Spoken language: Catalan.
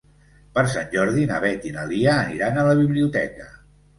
Per Sant Jordi na Beth i na Lia aniran a la biblioteca.